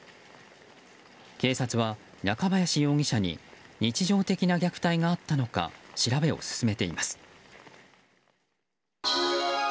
警察は、中林容疑者に日常的な虐待があったのか調べを進めています。